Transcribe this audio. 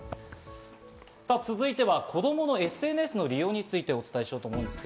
続いては子供のＳＮＳの利用についてお伝えします。